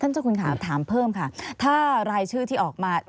เจ้าคุณค่ะถามเพิ่มค่ะถ้ารายชื่อที่ออกมา